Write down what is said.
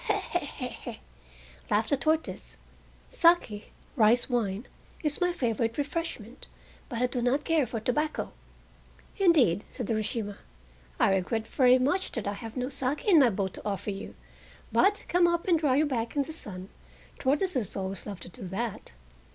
"He he he he!" laughed the tortoise; "sake (rice wine) is my favorite refreshment, but I do not care for tobacco." "Indeed," said Urashima, "I regret very much that I have no "sake" in my boat to offer you, but come up and dry your back in the sun—tortoises always love to do that."